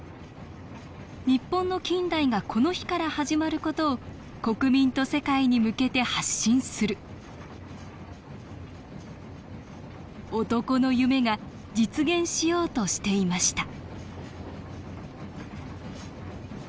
日本の近代がこの日から始まる事を国民と世界に向けて発信する男の夢が実現しようとしていました